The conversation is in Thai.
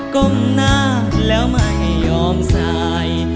ก้มหน้าแล้วไม่ยอมสาย